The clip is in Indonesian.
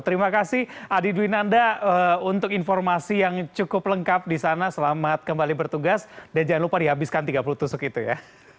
terima kasih adi dwinanda untuk informasi yang cukup lengkap di sana selamat kembali bertugas dan jangan lupa dihabiskan tiga puluh tusuk itu ya